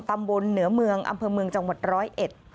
ตำบลเหนือเมืองอำเภอเมืองจังหวัด๑๐๑